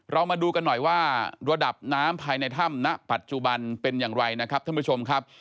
มาดูกันหน่อยว่าระดับน้ำภายในถ้ำณปัจจุบันเป็นอย่างไรนะครับท่านผู้ชมครับ